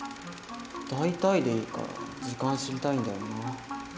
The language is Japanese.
大体でいいから時間知りたいんだよな。